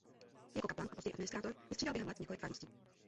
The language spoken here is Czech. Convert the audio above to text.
Jako kaplan a později administrátor vystřídal během let několik farností.